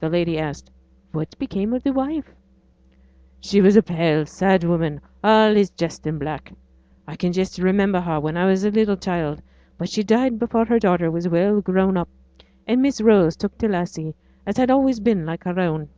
The lady asked, 'What became of the wife?' 'She was a pale, sad woman, allays dressed in black. I can just remember her when I was a little child, but she died before her daughter was well grown up; and Miss Rose took t' lassie, as had always been like her own.'